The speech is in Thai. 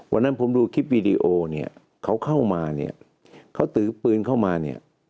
วันนั้นผมดูคลิปวีดีโอเนี่ยเขาเข้ามาเนี่ยเขาถือปืนเข้ามาเนี่ย